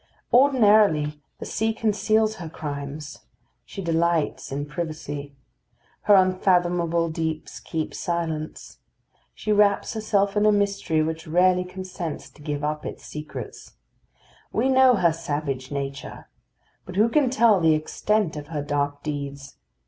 Ordinarily the sea conceals her crimes. She delights in privacy. Her unfathomable deeps keep silence. She wraps herself in a mystery which rarely consents to give up its secrets. We know her savage nature, but who can tell the extent of her dark deeds?